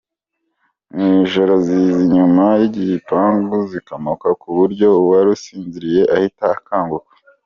Mu ijoro ziza inyuma y’igipangu zikamoka ku buryo uwari usinziriye ahita akanguka.